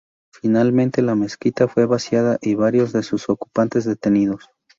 Finalmente la mezquita fue vaciada y varios de sus ocupantes, detenidos.